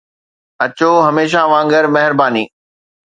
اچو، هميشه وانگر، مهرباني